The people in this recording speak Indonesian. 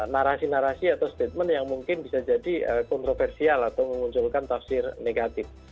narasi narasi atau statement yang mungkin bisa jadi kontroversial atau memunculkan tafsir negatif